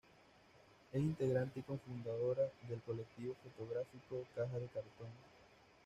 Es integrante y cofundadora del Colectivo Fotográfico Caja de Cartón.